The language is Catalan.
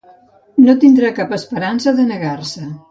No tindrà cap esperança de negar-se.